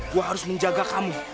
gue harus menjaga kamu